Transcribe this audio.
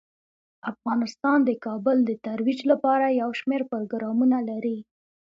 افغانستان د کابل د ترویج لپاره یو شمیر پروګرامونه لري.